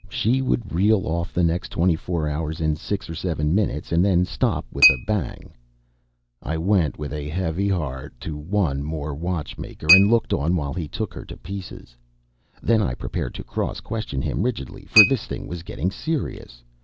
She would reel off the next twenty four hours in six or seven minutes, and then stop with a bang. I went with a heavy heart to one more watchmaker, and looked on while he took her to pieces. Then I prepared to cross question him rigidly, for this thing was getting serious.